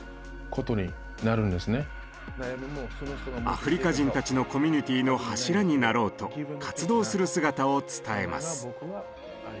アフリカ人たちのコミュニティーの柱になろうと活動する姿を伝えます。